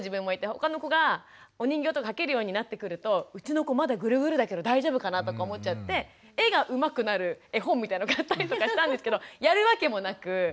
他の子がお人形とか描けるようになってくるとうちの子まだグルグルだけど大丈夫かな？とか思っちゃって絵がうまくなる絵本みたいなのを買ったりとかしたんですけどやるわけもなく。